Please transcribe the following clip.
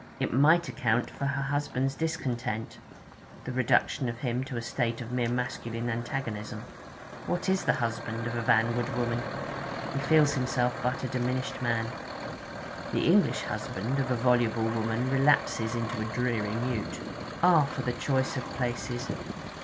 It might account for her husband's discontent the reduction of him to a state of mere masculine antagonism. What is the husband of a vanward woman? He feels himself but a diminished man. The English husband of a voluble woman relapses into a dreary mute. Ah, for the choice of places!